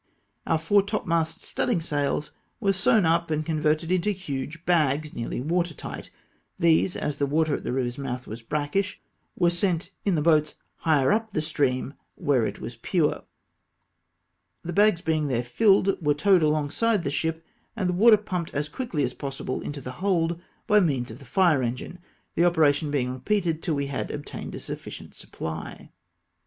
Our foretopmast studding sails were sew^n up and converted into huge bags nearly water tio'ht ; these — as the water at the river's mouth w\as brackish — were sent in the boats higher up the stream where it was pure. The bags being there filled, were towed alongside the ship, and the water pumped as quickly as possible into the hold by means of the fire engine, the operation being repeated till we had obtained a sufficient supply.